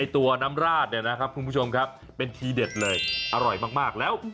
ตัวน้ำราดเนี่ยนะครับคุณผู้ชมครับเป็นทีเด็ดเลยอร่อยมากแล้ว